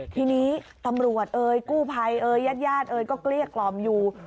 ทีนี้ตำรวจเอ่ยกู้ภัยเอ่ยญาติญาติเอ๋ยก็เกลี้ยกล่อมอยู่